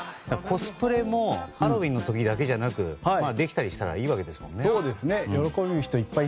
コスプレもハロウィーンの時だけじゃなくできたりしたらいいわけですね。